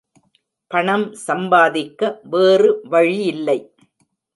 பணம் சம்பாதிக்க வேறு வழியில்லை.